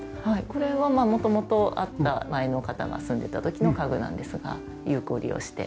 これは元々あった前の方が住んでた時の家具なんですが有効利用して。